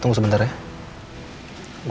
conjuncum dengan ibu